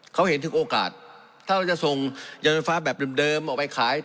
เขาเห็นถึงโอกาสถ้าเราจะส่งยานไฟฟ้าแบบเดิมออกไปขาย